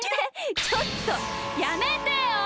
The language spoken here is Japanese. ちょっとやめてよ！